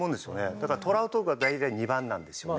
だからトラウトが大体２番なんですよね。